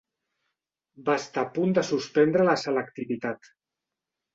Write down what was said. Va estar a punt de suspendre la selectivitat.